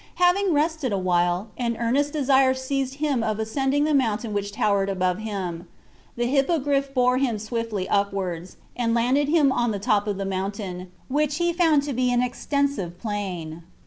Having rested awhile, an earnest desire seized him of ascending the mountain which towered above him. The Hippogriff bore him swiftly upwards, and landed him on the top of the mountain, which he found to be an extensive plain.